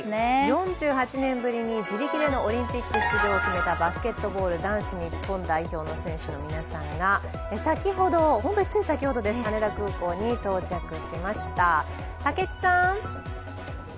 ４８年ぶりに自力でのオリンピック出場を決めたバスケットボール男子日本代表の皆さんが、先ほど、本当につい先ほど羽田空港に到着しました。